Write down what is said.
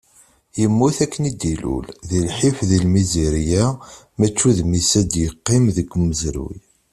Yemmut akken i d-ilul, di lḥif d lmizirya, maca udem-is ad yeqqim deg umezruy.